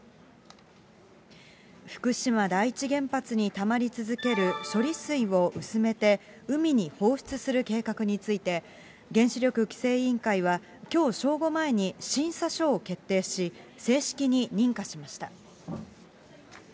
福島第一原発にたまり続ける処理水を薄めて、海に放出する計画について、原子力規制委員会はきょう正午前に、審査書を決定し、正式に認可しました。